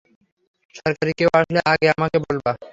সরকারি কেউ আসলে, আগে আমারে বলবা।